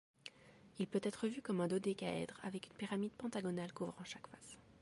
Il peut être vu comme un dodécaèdre avec une pyramide pentagonale couvrant chaque face.